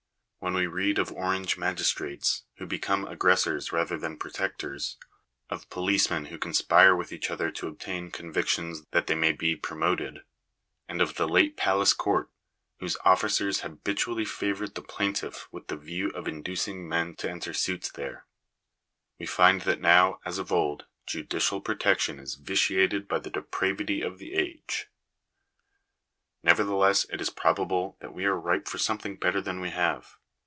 When we read of Orange magistrates who become aggressors rather than protectors ; of policemen who conspire with each other to obtain convictions that they may be promoted ; and of the late Palace Court, whose officers habitually favoured the plaintiff with the view of inducing men to enter suits there, we find that now, as of old, judicial protection is vitiated by the depravity of the age. Nevertheless it is probable that we are ripe for something better than we have.